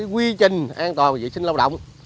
quy trình an toàn vệ sinh lao động